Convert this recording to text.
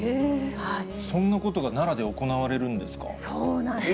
そんなことが奈良で行われるそうなんです。